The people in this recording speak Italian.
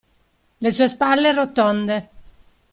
Le sue spalle rotonde.